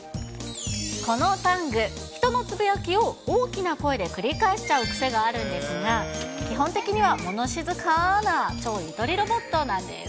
このタング、人のつぶやきを大きな声で繰り返しちゃう癖があるんですが、基本的には物静かな超ゆとりロボットなんです。